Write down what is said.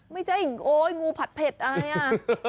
ไม่ใช่โอ๊ยงูผัดเผ็ดอะไรอ่ะ